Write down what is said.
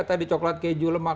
tadi coklat keju lemak